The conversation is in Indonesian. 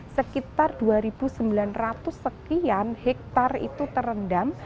sekitar dua sembilan ratus sekian hektare itu terendam